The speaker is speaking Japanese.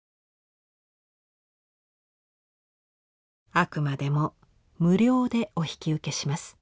「あくまでも無料でお引き受けします。